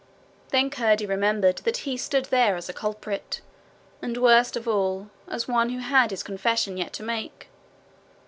Then Curdie remembered that he stood there as a culprit, and worst of all, as one who had his confession yet to make.